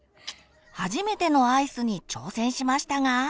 初めてのアイスに挑戦しましたが。